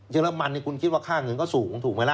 เรมันคุณคิดว่าค่าเงินก็สูงถูกไหมล่ะ